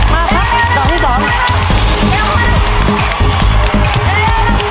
มาครับ๒ที่๒